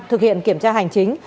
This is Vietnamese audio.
thực hiện kiểm tra hành chính